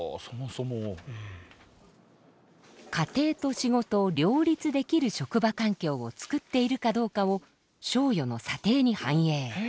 家庭と仕事を両立できる職場環境を作っているかどうかを賞与の査定に反映。